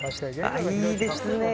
ああいいですね。